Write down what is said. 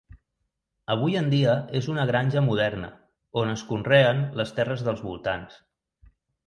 Avui en dia és una granja moderna on es conreen les terres dels voltants.